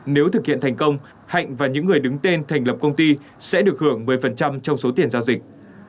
nếu thực hiện thành công hạnh và những người đứng tên thành lập công ty sẽ được hưởng một mươi trong số tiền giao dịch